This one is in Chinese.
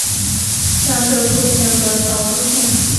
下设柘县和乔珠县。